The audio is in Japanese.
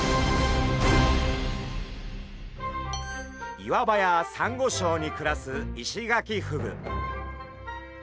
岩場やサンゴ礁に暮らすイシガキフグ。